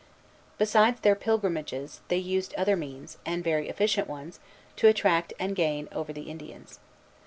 Besides their pilgrimages, they used other means, and very efficient ones, to attract and gain over the Indians.